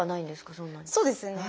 そうですね。